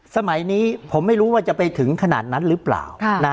สมัยนี้ผมไม่รู้ว่าจะไปถึงขนาดนั้นหรือเปล่า